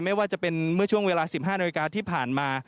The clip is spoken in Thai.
ไม่ว่าจะเป็นเมื่อช่วงเวลา๑๕นาฬิกาที่ผ่านมา